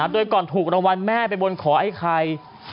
โดยก่อนถูกรางวัลแม่ไปบนขอไอ้ไข่